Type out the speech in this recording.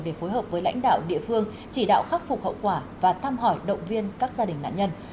để phối hợp với lãnh đạo địa phương chỉ đạo khắc phục hậu quả và thăm hỏi động viên các gia đình nạn nhân